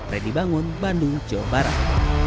reddy bangun bandung jawa barat